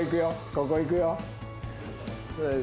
ここ行くよ。